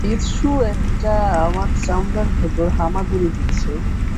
কিছু একটা আমার চামড়ার ভেতর হামাগুড়ি দিচ্ছে।